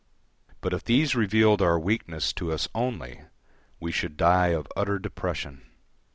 But if these revealed our weakness to us only, we should die of utter depression.